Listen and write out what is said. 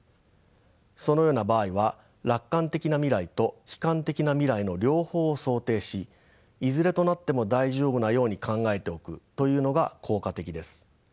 そのような場合は楽観的な未来と悲観的な未来の両方を想定しいずれとなっても大丈夫なように考えておくというのが効果的です。